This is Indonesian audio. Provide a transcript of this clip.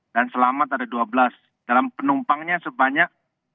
dan selamat ada dua belas dalam penumpangnya sebanyak tiga puluh dua